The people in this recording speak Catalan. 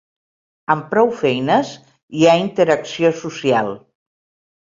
Amb prou feines hi ha interacció social.